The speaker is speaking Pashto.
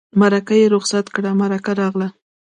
مرکه یې رخصت کړه مرکه راغله.